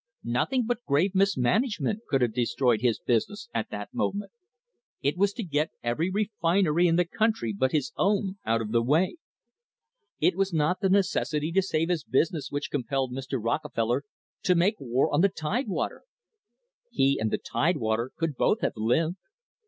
Nothing but grave mismanage ment could have destroyed his business at that moment; it was to get every refinery in the country but his own out of the way. It was not the necessity to save his business which compelled Mr. Rockefeller to make war on the Tide water. He and the Tidewater could both have lived.